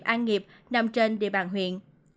công ty doanh nghiệp an nghiệp nằm trên địa bàn huyện